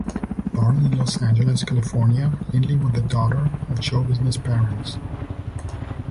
Born in Los Angeles, California, Lindley was the daughter of show business parents.